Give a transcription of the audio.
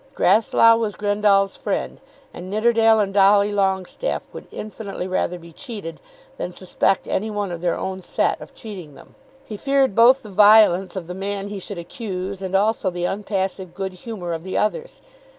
Grasslough was Grendall's friend, and Nidderdale and Dolly Longestaffe would infinitely rather be cheated than suspect any one of their own set of cheating them. He feared both the violence of the man he should accuse, and also the impassive good humour of the others.